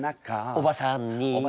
「おばさんに」